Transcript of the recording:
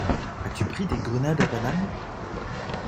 As-tu pris des grenades à banane?